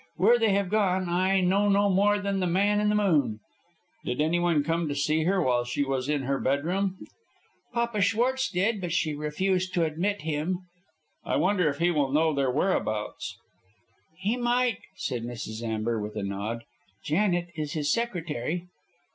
Where they have gone I know no more than the man in the moon." "Did anyone come to see her while she was in her bedroom." "Papa Schwartz did, but she refused to admit him." "I wonder if he will know their whereabouts?" "He might," said Mrs. Amber, with a nod. "Janet is his secretary."